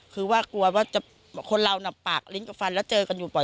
คือว่ากลัวว่าคนเราน่ะปากลิ้นกับฟันแล้วเจอกันอยู่บ่อย